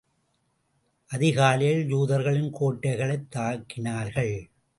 அதிகாலையில், யூதர்களின் கோட்டைகளைத் தாக்கினார்கள்.